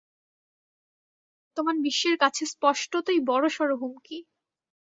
তোমাদের টার্গেট বর্তমান বিশ্বের কাছে স্পষ্টতই বড়োসড়ো হুমকি।